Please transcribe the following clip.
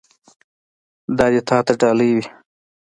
دا دې تا ته ډالۍ وي.